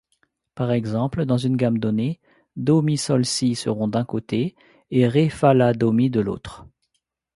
Par exemple, dans une gamme donnée, do-mi-sol-si seront d'un côté et ré-fa-la-do-mi de l'autre.